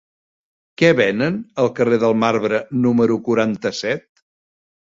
Què venen al carrer del Marbre número quaranta-set?